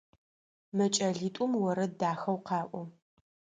Мы кӏэлитӏум орэд дахэу къаӏо.